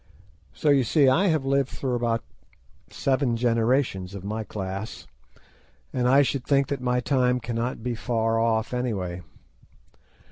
So you see I have lived through about seven generations of my class, and I should think that my time cannot be far off, anyway.